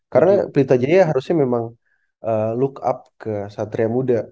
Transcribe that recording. karena pelita jaya harusnya memang look up ke satria muda